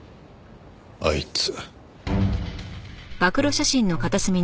あいつ。